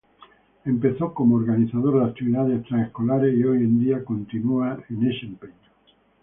Empezó como organizador de actividades extraescolares y hoy en día continúa en este empeño.